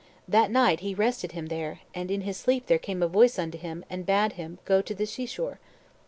That night he rested him there, and in his sleep there came a voice unto him and bade him go to the sea shore.